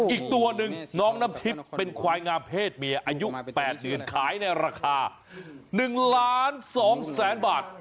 อีกตัวหนึ่งน้องน้ำทิพย์เป็นควายงามเพศเมียอายุ๘เดือนขายในราคา๑ล้าน๒แสนบาท